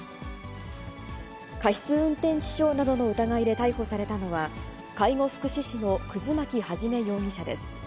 過失運転致傷などの疑いで逮捕されたのは、介護福祉士の葛巻一容疑者です。